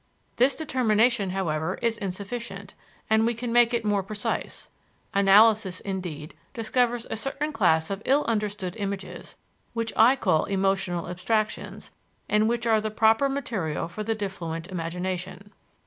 This determination, however, is insufficient, and we can make it more precise. Analysis, indeed, discovers a certain class of ill understood images, which I call emotional abstractions, and which are the proper material for the diffluent imagination.